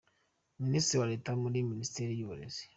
Minisitiri wa Leta muri Minisiteri y’Uburezi,